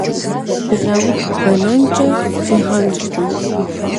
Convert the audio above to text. Ирауд бэнэнкӏэ зигъэнщӏыркъым.